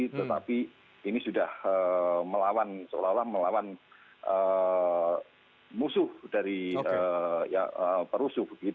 tetapi ini sudah melawan seolah olah melawan musuh dari perusuh